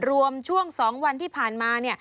รวมช่วง๒วันที่ผ่านมา